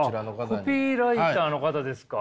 コピーライターの方ですか？